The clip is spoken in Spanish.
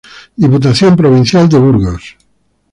Diputación Provincial de Burgos.